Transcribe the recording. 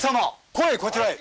来いこちらへ！